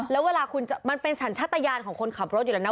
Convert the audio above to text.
แล้วเวลาคุณมันเป็นสัญชาติยานของคนขับรถอยู่แล้วนะ